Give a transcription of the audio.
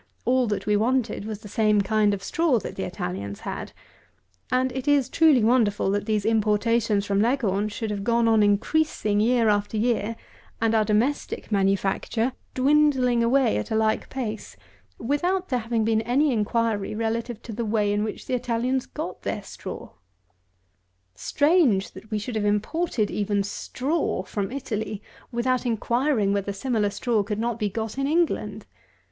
All that we wanted was the same kind of straw that the Italians had: and it is truly wonderful that these importations from Leghorn should have gone on increasing year after year, and our domestic manufacture dwindling away at a like pace, without there having been any inquiry relative to the way in which the Italians got their straw! Strange, that we should have imported even straw from Italy, without inquiring whether similar straw could not be got in England!